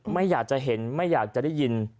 ไม่อยากจะเห็นไม่อยากจะได้ยิน